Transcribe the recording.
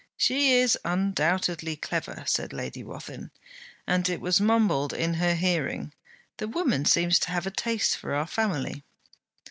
'She is undoubtedly clever,' said Lady Wathin, and it was mumbled in her hearing: 'The woman seems to have a taste for our family.'